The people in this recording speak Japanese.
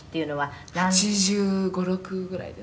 「８５８６ぐらいです」